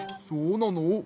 そうなの？